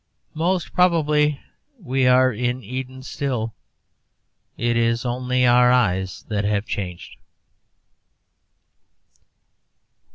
Most probably we are in Eden still. It is only our eyes that have changed.